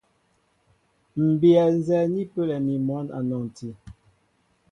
M̀ bíyɛ nzɛ́ɛ́ ni pəlɛ mi mwǎn a nɔnti.